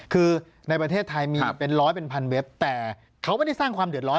คือในประเทศไทยมีเป็นร้อยเป็นพันเว็บแต่เขาไม่ได้สร้างความเดือดร้อ